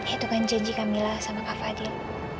itu kan janji kamila sama kak fadil